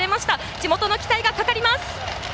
地元の期待がかかります。